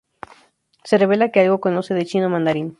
Se revela que algo conoce de chino mandarín.